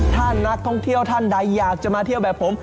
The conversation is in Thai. ถ้านักท่องเที่ยวท่านใดอยากจะมาเที่ยวแบบผม